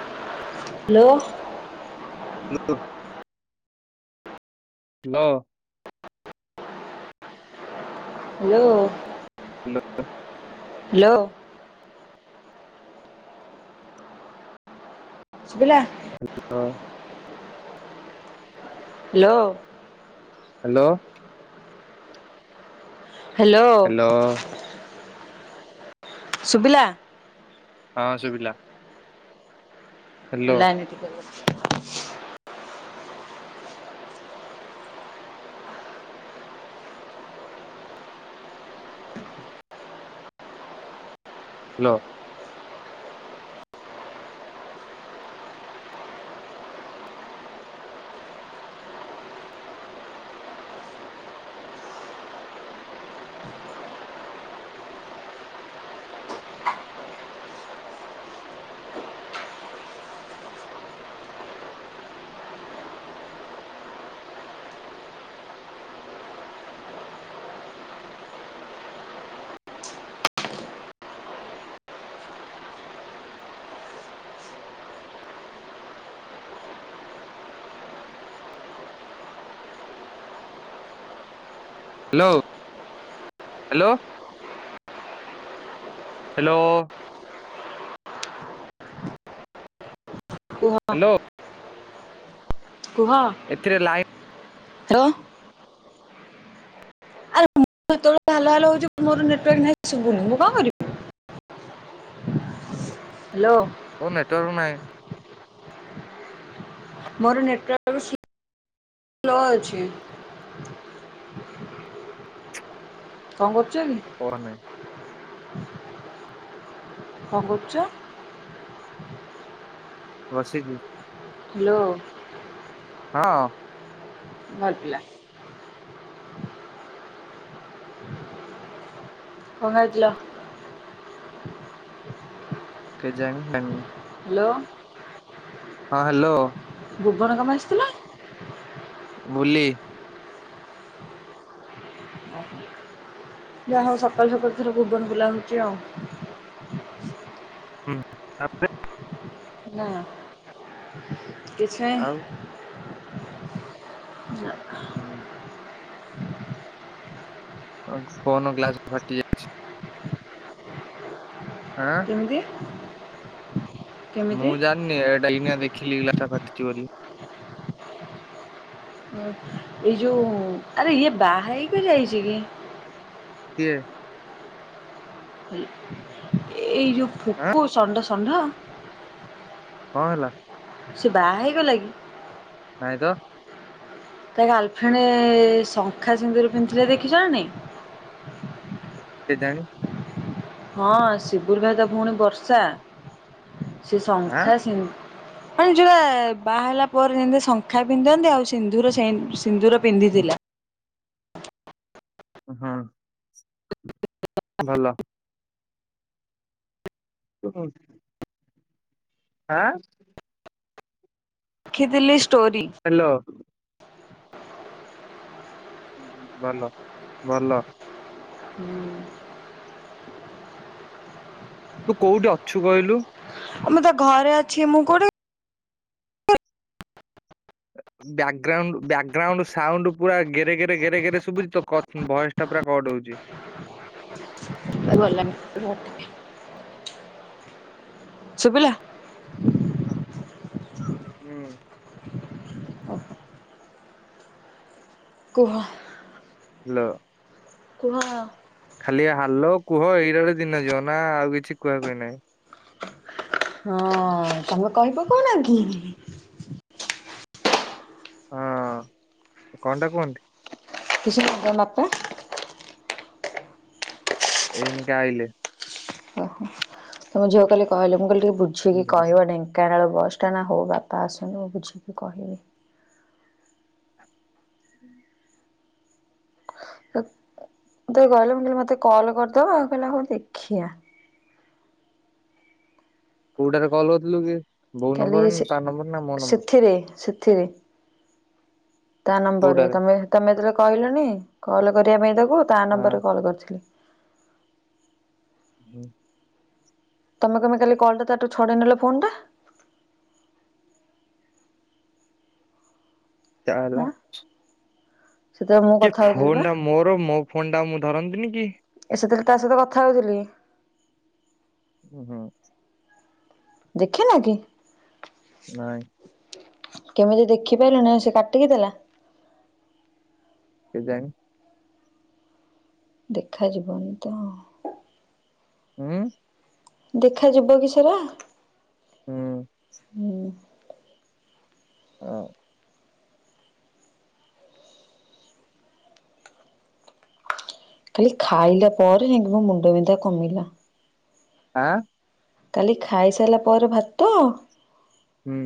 ହା ଲୋ। [inaudible] Hello. Hello. Hello. ହା ଲୋ। ସୁବିଲା। ହା ଲୋ। Hello. Hello. ହା ଲୋ। ହ୍ୟାଲୋ ସୁବିଲା। ହଁ ସୁବିଲା। ଲାଇନ ରେ ଟିକେ ରୁଅ। ଲୋ। Hello hello. Hello. କୁହ। ହ୍ୟାଲୋ ଏଥିରେ ଲାଇନ। ରୋ। ମୁଁ ସେତେବେଳୁ ହାଲୋ ହାଲୋ ହଉଛି ମୋର ନେଟୱାର୍କ ନାହିଁ ଶୁଭୁନି ମୁଁ କଣ କରିବି। ହାଲୋ। ତୋର ନାହିଁ ମୋର ନେଟ୍ [inaudible] ସ୍ଲୋ ଅଛି। କଣ କରୁଛ କି? କହ ନାହିଁ କନ୍ କରୁଚ? ବସିଚି। ହ୍ୟାଲୋ, ହଁ ଭଲ ପିଲା। କଣ ଖାଇଥିଲ? କେଜାଣେ ଜାଣିନି। ହ୍ୟାଲୋ, ହଁ ହ୍ୟାଲୋ, ଭୁମନ କଣ ପାଇଁ ଆସିଥିଲା? ବୁଲି, ଯା ହଉ ସକାଳୁ ସକାଳୁ ଥର ଭୁବନ ବୁଲା ହଉଛି ଆଉ। ହୁଁ ତାପରେ ନା, ଆଉ କିଛିନାହିଁ। ହୁଁ ଅ ଫୋନ ଗ୍ଲାସ ଫାଟି ଯାଇଛି। ଆଁ କେମିତି? ମୁଁ କେମିତି ଜାଣିନି ଏଇଟା ଏଇନା ଦେଖିଲି ଗ୍ଲାସ୍ ଟା ଫାଟିଛି ବୋଲି। ଏଇ ଯୋଉ ଆରେ ଇଏ ବାହା ହେଇକି ଯାଇଛି କି? କିଏ? ଏ ଯଉ ଆଁ ଫୁକୁ ସଣ୍ଡ ସଣ୍ଢ। କଣ ହେଲା? ସେ ବାହା ହେଇଗଲା କି? ନାଇ ତ, ତା ଗାର୍ଲଫ୍ରେଣ୍ଡ-ଏ-ଏ-ଏ ଶଙ୍ଖା ସିନ୍ଦୁରୁ ପିନ୍ଧିଥିଲେ ଦେଖିଛ ନା ନାଇ? କେଜାଣି, ହଁ ଶିବୁର ଭାଇ ତ ଭଉଣୀ ବର୍ଷା ସେ ଆଁ ଶଙ୍ଖା ସି ମାନେ ଯୋଉଟା ବାହା ହେଲା ପରେ ଯେମିତି ଶଙ୍ଖା ପିନ୍ଧନ୍ତି ଆଉ ସିନ୍ଦୁର ସେ ସିନ୍ଦୁର ପିନ୍ଧି ପିନ୍ଧିଲା, ହଁ। ଭଲ, [unintelligible] ଆ-ଆ-ଆ ଦେଖିଥିଲି ଷ୍ଟୋରି। ହ୍ୟାଲୋ ହ ଭଲ ଭଲ। ହୁଁ। ତୁ କୋଉଠି ଅଛୁ କହିଲୁ? ମୁଁ ତ ଘରେ ଅଛି। ମୁଁ କୋଉଠି [unintelligible] ବ୍ୟାକଗ୍ରାଉଣ୍ଡ ବ୍ୟାକଗ୍ରାଉଣ୍ଡ ସାଉଣ୍ଡ ପୁରା ଗେରେ ଗେରେ ଗେରେ ଗେରେ ସୁୁଭୁଛି। ତ କ ଭଏସ ଟା ପୁରା କଟ୍ ହଉଛି। ଜି, ସେ ଗଲାନି ରୁହ ଟିକେ। ଶୁଭିଲା? ହୁଁ କୁହ, ହେଲୋ, କୁହ। ଖାଲି ହାଲୋ କୁହ ଏଇରା ରେ ଦିନ ଯିବ। ନା ଆଉ କିଛି କୁହାକୁହି ନାହିଁ। ହଁ, ତମେ କହିପକଉନା କି। ହଁ, କଣ ଟା କୁହନ୍ତି? କିଛି। [unintelligible] ଏଇନିକା ଆଇଲେ। ଓହୋ ତମ ଝିଅକୁ କାଲି କହିଲି, ମୁଁ କହିଲି ଟିକେ ବୁଝେଇକି ହୁଁ କହିବ ଢେଙ୍କାନାଳ ବସ୍ ଟା ନା ହଉ ବାପା ଆସନ୍ତୁ, ମୁଁ ବୁଝିକି କହିବି। [inaudible] ମୁଁ ତାକୁ କହିଲି ମତେ କଲ କରିଦବ, କହିଲା ହଉ ଦେଖିଆ। କୋଉଟା ରେ କଲ କରଥିଲୁ କି? ବୋଉ କାଲି ନମ୍ବର ନା ସେ ତା ନମ୍ବର ନା ମୋ ନମ୍ବର ସେଥିରେ ସେ ଥିରେ ତା ନମ୍ବର କୋଉଟାରେ? ତମେ ତମେ ଯେତେବେ କହିଲନି, କଲ କରିବା ପାଇଁ ତାକୁ ତା ହଁ ନମ୍ବର ରେ କଲ୍ କରିଥିଲି। [inaudible] ତମେ କଣ ପାଇଁ ଖାଲି କଲ ଟା ଠୁ ଛଡେଇ ନେଲ ଫୋନ ଟା। ଯାହା ହେଲା। ହାଁ ସେତେବେଳେ ମୁଁ କି କଥା ହଉଥିଲି ଫୋନ୍ ପା ଟା ମୋର ମୋ ଫୋନ୍ ଟା ମୁଁ ଧରନ୍ତିନି କି। ସେତେବେଳେତା ସହିତ କଥା ହଉଥିଲି। ଓ ହୋ। ଦେଖିନ କି? ନାଇଁ। କେମିତି ଦେଖିପାରିଲନି। ନା ସେ କାଟିକି ଦେଲା। କେଜାଣି? ଦେଖାଯିବନି ତ। ଉଁ ଦେଖାଯିବ କି ସେ। ହୁଁ। ହୁଁ ହଁ। କାଲି ଖାଇଲା ପରେ ଯାଇକି ମୋ ମୁଣ୍ଡ ବିନ୍ଧା କମିଲା। ଆଁ। କାଲି ଖାଇସାରିଲା ପରେ ଭାତ, ହୁଁ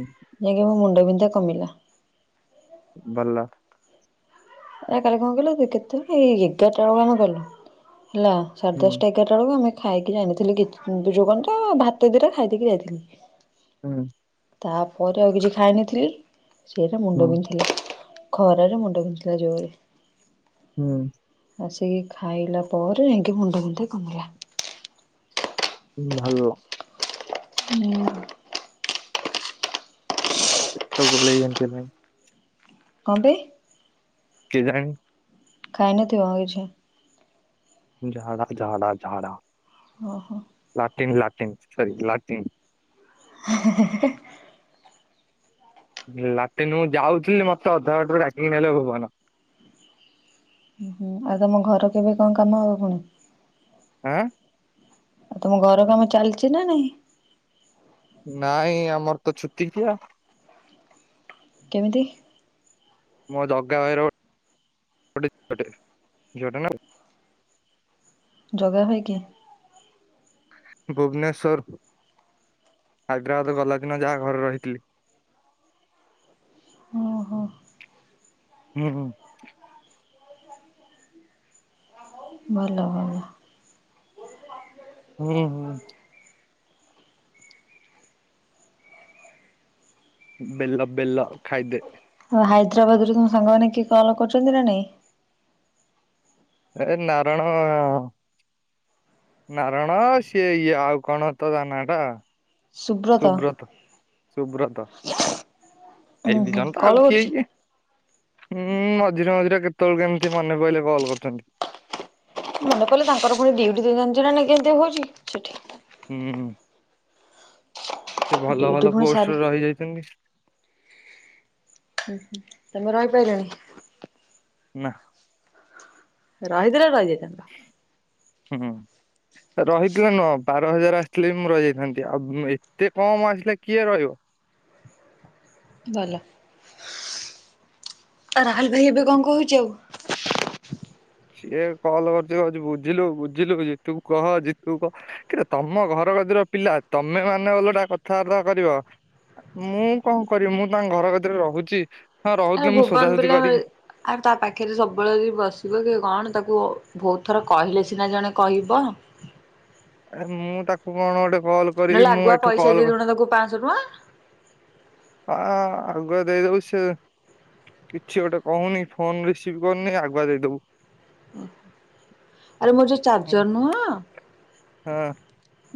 ଯାଇକି ମୋ ମୁଣ୍ଡ ବିନ୍ଧ କମିଲା। ଭଲ। ଏ କାଲି କଣ କହିଲ [unintelligible] ଏଗାରଟା ବେଳ ଯାଏ ଗଲୁ। ହେଲା। ସାଢ଼େ ହୁଁ ଦଶଟା ଏଗାରଟା ବେଳକୁ ଆମେ ଖାଇକି ଯାଇନଥିଲି କି ଯୋଉ କଣ ତ ଭାତ ଦିଟା ଖାଇ ଦେଇକି ଯାଇଥିଲି। ହୁଁ। ତାପରେ ଆଉ କିଛି ଖାଇନଥିଲି, ସେଇରା ମୁଣ୍ଡ ହୁଁ ବିିନ୍ଧିଲା। ଖରାରେ ମୁଣ୍ଡ ବିନ୍ଧା। [unintelligible] ହୁଁ। ଆସିକି ଖାଇଲା ପରେ ଯାଇକି ମୁଣ୍ଡ ବିନ୍ଧା କମିଲା। ହଁ ଭଲ ହୁଁ। ପେଟ। [unintelligible] କଣ ପେଇ? କେଜାଣି। ଖାଇନଥିବ କିଛି। ଝାଡ଼ ଝାଡ଼ା ଝାଡ଼ା ଓହୋ ଲାଟିନ୍ ଲା ସରି ଲାଟିନ୍ [inaudible] ଲାଟିନ ମୁଁ ଯାଉଥିଲି ମତେ ଅଧାବାଟରୁ ଟାକିକି ନେଲେ ଭଗବାନ। ହୁଁ ଆଉ ତମ ଘର କେବେ କଣ କାମ ହବ ପୁଣି। ଆଁ? ଆଉ ତମ ଘର କାମ ଚାଲିଚି ନା ନାହିଁ। ନାଇଁ ଆମର ତ ଛୁତିକିଆ। କେମିତି? ମୋ ଜଗା ଭାଇର ଗୋ ଗୋଟେ ଝିଅଟେ ଝିଅଟେ ନା ଜଗା ଭାଇ କିଏ? ଭୁବନେଶ୍ବର ହାଇଦ୍ରାବାଦ ଗଲା ଦିନ ଯାହା ଘରେ ରହିଥିଲି। ଓହୋ ହୁଁ ହୁଁ। ଭଲ ଭଲ। ହୁଁ ହୁଁ। ବେଲ ବେଲ ଖାଇଦେ। ହାଇଦ୍ରାବାଦ ରୁ ତମ ସାଙ୍ଗମାନେ କିଏ କଲ କରୁଛନ୍ତି ନା ନାଇଁ? ଏ ନାରଣ ନାରଣ ସିଏ ଇଏ ଆଉ କଣ ତ ତା ନାଁ ଟା ସୁବ୍ରତ ସୁବ୍ରତ। ଉୁଁ ଏଇ ଦି ହୁଁ ଜଣତ କଲ୍ ଆଉ କିଏ କରୁଛି? କି? ହୁଁ ମଝିରେ ମଝିରେ କେତେବେଳେ କେମିତି ମନେ ପଇଲେ କଲ୍ କରୁଛନ୍ତି। ମନେ ପଇଲେ ତାଙ୍କର ପୁଣି ଡିଉଟି ଦି ଜାଣିଚୁନା ନାଇଁ କେମିତି ହଉଚି ସେଠି। ହୁଁ। ସେ ଭଲ ଡ୍ୟୁଟି ଭଲ ପୁଣି ସାରି ପୋଷ୍ଟରେ ରହିଯାଇଚନ୍ତି। ହୁଁ ହୁଁ ତମେ ରହିପାଇଲନି। ନା। ରହିଥିଲେ ରହିଯା ହୁଁ। ରହିିଥିଲେ ନୁହଁ ବାର ହଜାର ଆସିଥିଲେ ବି ମୁଁ ରହିଯାଇଥାନ୍ତି। ଆଉ ଏତେ କମ ଆସିଲା କିଏ ରହିବ? ଭଲ। ରାହୁଲ ଭାଇ ଏବେ କଣ କହୁଚୁ। ସିଏ କଲ୍ କରୁଚି କହୁଚି ବୁଝିଲୁ ବୁଝିଲୁ ଜିତୁକୁ କହ ଜିିତୁକୁ କହ। କି ତମ ଘର କ ଆଜିର ପିଲା ତମେ ମାନେ ଓଲଟା କଥାବାର୍ତା କରିବ। ମୁଁ କଣ କରିବି ମୁଁ ତାଙ୍କ ଘର କତିରେ ରହୁଛି। ହଁ ଆରେ ରହୁଥିଲି ମୁଁ ଭୁବନ ସୋଦାସୋଦି ପିଲା କରିକି ଆଉ ତା ପାଖରେ ସବୁବେଳେ ଯଦି ବସିବ କି କଣ ତାକୁ ବହୁତ ଥର କହିଲେ ସିନା ଜଣେ କହିବ। ଆରେ ମୁଁ ତାକୁ କଣ ଗୋଟେ କଲ କରିବି। ନହେଲେ ମୁଁ ଆଗୁଆ ଏଠୁ ପଇସା କଲ ଦେଇଦଉନ ତାକୁ ପାଞ୍ଚଶହ ଟଙ୍କା ଆ ଆଗୁଆ ଦେଇ ଦଉଚି ସିଏ? କିଛି ଗୋଟେ କହୁନି ଫୋନ ରିସିଭ କରୁନି ଆଗୁଆ ଦେଇଦବୁ। ଆରେ ମୋର ଯୋଉ ହୁଁ ଚାର୍ଜର ନୁହଁ। ହଁ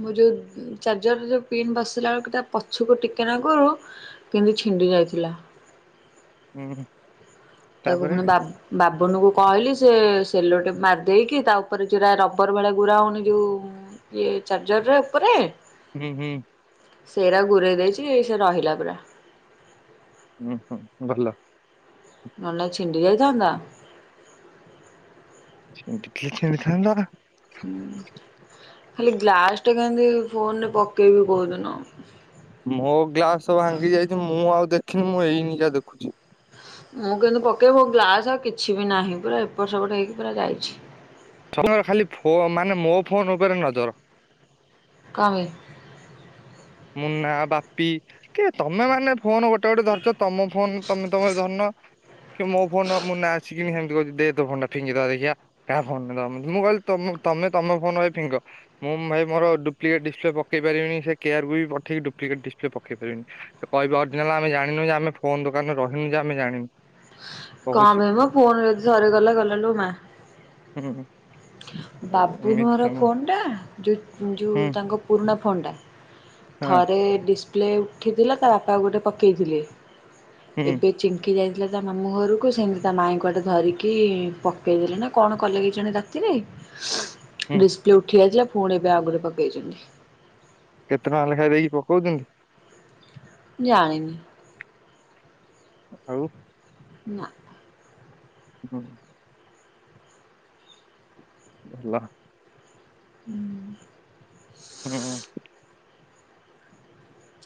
ମୁଁ ଯୋଉ ଚାର୍ଜର ଯୋଉ ପିନ୍ ବସିଲା ବେଳକୁ ତା ପଛକୁ ଟିକେ ନାକୁରୁ କିନ୍ତୁ ଛିଣ୍ଡି ଗ ଯାଇଥିଲା। ହୁ। ତାକୁ ପୁଣି ବା ବାବୁନୁକୁ କହିଲି ସି ସେ ସେଲୋଟେପ ମାରିଦେଇକି। ତା ଉପରେ ଯୋଉରା ରବର ଭଳିଆ ଗୁରା ହଉନି ଯୋଉ ଇଏ ଚାର୍ଜରରେ ଉପରେ। ହୁଁ ହୁଁ। ସେଇରା ଗୁରେଇ ଦେଇଛି ସେ ରହିଲା ପୁରା। ଉଁ ହୁଁ ଭଲ। ନହେଲେ ନାଇଁ ଛିଣ୍ଡି ଯାଇଥାନ୍ତା। ସେମିତି ଟିକେ ଛିଡିଥାନ୍ତା। ହୁଁ ଖାଲି ଗ୍ଲାସ ଟେ କେମତି ଫୋନ ରେ ପକେଇବି କୋଉଦିନ? ମୋ ଗ୍ଲାସବ ଭାଙ୍ଗି ଯାଇଛି ମୁଁ ଆଉ ଦେଖିନି ମୁଁ ଏଇନିକା ଦେଖୁଛି। ମୁଁ କହିନି ପକାଇବ ମୋ ଗ୍ଲାସ୍ ଆଉ କିଛି ବି ନାହିଁ ପୁରା ଏପଟ ସେପଟ ହେଇକି ପୁରା ଯାଇଛି। ତମର ଖାଲି ଫ ମାନେ ମୋ ଫୋନ ଉପରେ ନଜର କପାଇଁ ମୁନା ବାପି କି ତମେ ମାନେ ଫୋନ ଗୋଟେ ଗୋଟେ ଧରିଛ ତମ ଫୋନ ତମେ ତମେ ଧରନ କି ମୋ ଫୋନ ମୁନା ଆସିକି ସେମିତି କହୁଛି ଦେ ତୋ ଫୋନ ଟା ଫିଙ୍ଗିଦବା ଦେଖିଆ, କାହା ଫୋନ [unintelligible] ତମେ ତମ ଫୋନ ଭାଇ ଫିଙ୍ଗ, ମୁଁ ଭାଇ ମୋର ଡୁ ପ୍ଲିକେଟ ଡିସପ୍ଲେ ପକେଇ ପାରିବିନି ସେ କୋରକୁ ବି ପଠେଇ ଡପ୍ଲିକଟ ସପ୍ଲେ ପେଇ ପାରନି ସେ କିବେ ଅରିଜିନାଲ ଆେ ଜାଣିନୁ ଯେ ଆମେ ଫୋନ ଦୋକାନ ରହନୁ ଆମେ ଜାଣିନୁ କଣ କହୁଛି। ପାଇଁ ମ ଫୋନ ଯଦି ଥରେ ଗଲା ଗଲାଲୋ ମା ହୁଁ ବାବୁନୁଁ ଏମିତି ଘର ସବୁ ଫୋନ୍ଟା, ଯେଉଁ ହୁଁ ତାଙ୍କ ପୁରୁଣା ଫୋନ୍ଟା ହଁ ଥରେ ଡିସପ୍ଲେ ଉଠିଥିଲା ତା ବାପା ଗୋଟେ ପକେଇଥିଲେ ହୁଁ ଏବେ ଚିଙ୍କି ଯାଇ ତା ମାମୁଁ ଘରକୁ, ସେମିତି ତା ମାଇଁ କୁଆଡେ ଧରିକି ପକେଇଦେଲେ ନା କଣ କଲେ କେଜାଣି? ହୁଁ ଡିସପ୍ଲେ ଉଠି ଯାଇଥିଲା ପୁଣି ଏବେ ଆଗରେ ପକେଇଛନ୍ତି। କେତେ ଟଙ୍କା ଲେଖା ଦେଇକି ପକଉଛନ୍ତି? ଜାଣିନିି ଆଉ ନା ହୁଁ। ଭଲ ହୁଁ ହୁଁ ଉଁ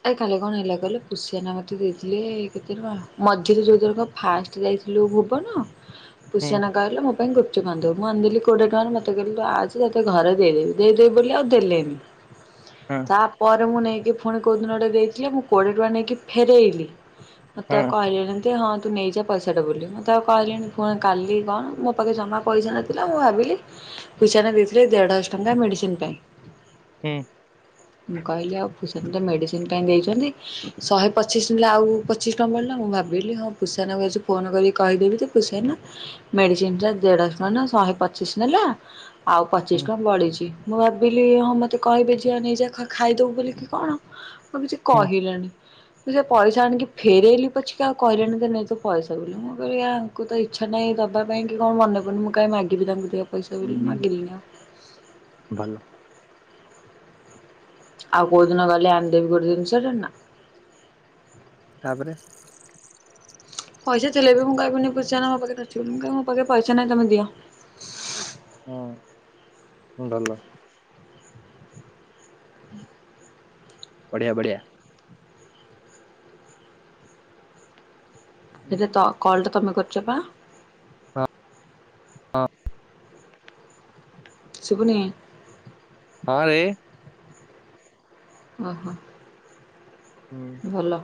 ଆ କାଲି କଣ ହେଲା କହିଲ ପୁସିଆନା ମତେ ଦେଇଥିଲେ କେତେ ଟଙ୍କା ମଝିରେ ଯୋଉର ଫାଷ୍ଟ ଯ ଥିଲୁ ଭୁବନ ପୁସିଆନା କହିଲା ମୋ ପାଇଁ କୁ ମୁଁ ଆଣିଦେଲି କୋଡିଏ ଟଙ୍କାର, ମତେ କହିଲେ ଆସେ ତୋତେ ଘର ଦେଇଦେବି, ଦେଇଦେବି ବୋଲି ଆଉ ଦେଲେନି। ହଁ ତାପରେ ମୁଁ ନେଇକି ପୁଣି କୋଉଦିନ ଗୋଟେ ଦେଇଥିଲି ମୁଁ କୋଡିଏ ଟଙ୍କା ନେଇକି ଫେରଇଲି ମତେ ଆଉ ହଁ କହିଲେନି ତେ ହଁ ତୁ ନେଇଯା ପଇସାଟା ବୋଲି, ମତେଆଉ କହିଲିନି, ପୁଣି କାଲି କଣ ମୋ ପାଖେ ଜମା ପଇସା ନଥିଲା ମୁଁ ଭାବି ପୁଷିଆନା ଦେଇଥିଲେ ଦେଢ ଶହ ଟଙ୍କା ମେଡିସିନ ପାଇଁ ହୁଁ ମୁଁ କହିଲି ଆଉ ପୁଷିଆନା ତ ମେଡିସିନ ପାଇଁ ଦେଇଛନ୍ତି। ଶହେ ପଚିଶ ଆଉ ପଚିଶ ଟଙ୍କା ବଳିଲା ମୁଁ ଭାବିଲି ହଁ ପୁସିଆନା ଙ୍କୁ ଆ ଫୋନ କରି କହିଦେବି ପୁଷ ଦେଢ ଶହ ନୁ ଶହେ ପଚିଶ ନେଲା। ଆଉ ହୁଁ ପଚିଶ ଟଙ୍କା ବଳିଛି, ମୁଁ ଭାବିଲି ହଁ ମତେ କହିବେ ଝିଅ ନେଇଯା ଖାଇଦବୁ ବୋଲିକି କଣ ମୁଁ କିଛି ହୁଁ। କହିଲଣି ମୁଁ ସେ ପଇସା ଆଣିକି ଫେରାଇଲି ପଛିକା ଆଉ କହିଲେଣି ନେ ତୋ ପଇସା ବୋଲି, ମୁଁ କହଲି ୟାଙ୍କୁ ତ ଇଛା ନାହିଁ। ଦବା ପାଇଁ କି କଣ ମନେପଡୁନି, ମୁଁ କାଇଁ ମାଗିବି ତାଙ୍କୁ ଦିଅ? ପଇସା ବି ହୁଁ ମାଗିଲିନି ଆଉ ଭଲ ଆଉ କଉଦିନ ଗଲେ ଆଣି ଦେବି ଗୋଟେ ଜିନିଷ ଟେ ନା ତାପରେ ପଇସା ଥିଲେବି ମୁଁ କହିବିନି ପୁଷିଆନା ମୋ ପାଖରେ ଅଛିବୋଲି, ମୁଁ କହିବି ମୋ ପାଖରେ ପଇସା ନାହିଁ, ତମେ ଦିଅ ହୁଁ ଭଲ ବଢିଆ ବଢ଼ିଆ ସେ କଲ ଟା ତମେ କରିଚ ପା ଶୁଭୁନି ହଁରେ ଓ ହୋ ଭଲ।